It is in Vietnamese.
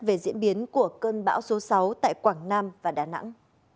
về diễn biến của cơn bão số sáu tại quảng nam và đà nẵng